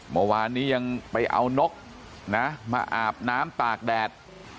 เมื่อวานนี้ยังไปเอานกนะมาอาบน้ำตากแดด